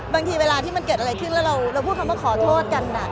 เวลาที่มันเกิดอะไรขึ้นแล้วเราพูดคำว่าขอโทษกัน